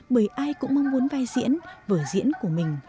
bởi ai cũng mong muốn vai diễn vở diễn của mình